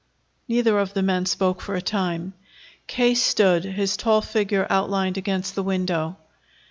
Neither of the men spoke for a time. K. stood, his tall figure outlined against the window.